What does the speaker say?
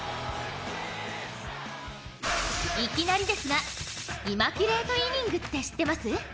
いきなりですが、イマキュレート・イニングって知ってます？